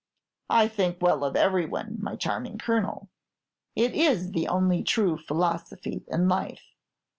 "I think well of every one, my charming Colonel. It is the only true philosophy in life.